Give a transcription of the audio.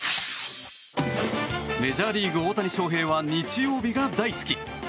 メジャーリーグ大谷翔平は日曜日が大好き。